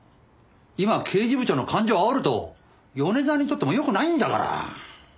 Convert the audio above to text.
今刑事部長の感情をあおると米沢にとってもよくないんだから。